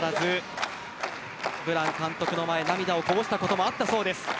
ブラン監督の前で涙をこぼしたこともあったそうです。